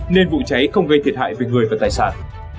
nên vụ cháy không gây thiệt hại về người và tài sản